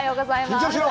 緊張しろ。